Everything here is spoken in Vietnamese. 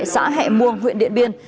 xã hẹ muông huyện điện biên